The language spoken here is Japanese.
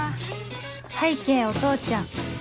拝啓お父ちゃん